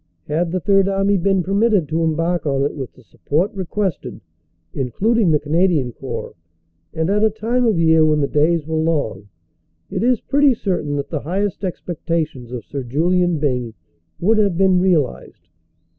Had the Third Army been permitted to embark on it with the support requested, includ ing the Canadian Corps, and at a time of year when the days were long, it is pretty certain that the highest expectations of Sir Julian Byng would have been realized.